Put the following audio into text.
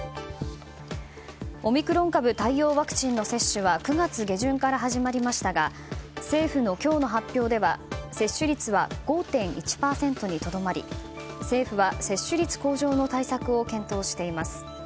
オミクロン株対応ワクチンの接種は９月下旬から始まりましたが政府の今日の発表では接種率は５．１％にとどまり政府は接種率向上の対策を検討しています。